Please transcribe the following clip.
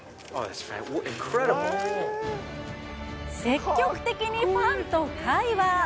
積極的にファンと会話。